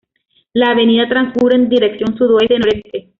La avenida transcurre en dirección sudoeste-noreste.